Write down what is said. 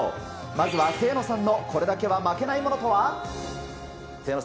まずは清野さんのこれだけは負けないものとは。